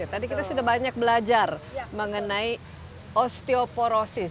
tadi kita sudah banyak belajar mengenai osteoporosis